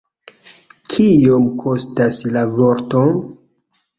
Kiom kostas la vorto?